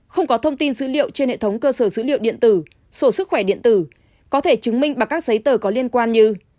không có thông tin dữ liệu trên hệ thống cơ sở dữ liệu điện tử sổ sức khỏe điện tử có thể chứng minh bằng các giấy tờ có liên quan như